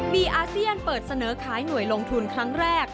มีอาเซียนเปิดเสนอขายหน่วยลงทุนครั้งแรก